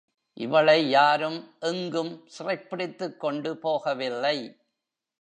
இவளை யாரும் எங்கும் சிறைப்பிடித்துக் கொண்டு போகவில்லை.